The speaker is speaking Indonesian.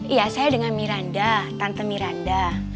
iya saya dengan miranda tante miranda